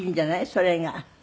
それが。